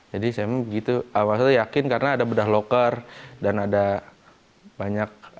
jadi saya begitu maksudnya yakin karena ada bedah loker dan ada banyak